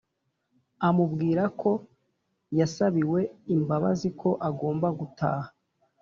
amubwirako yasabiwe imbabazi ko agomba gutaha